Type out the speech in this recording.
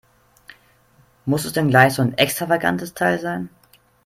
Muss es denn gleich so ein extravagantes Teil sein?